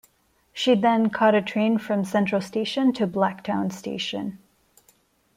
She then caught a train from Central Station to Blacktown Station.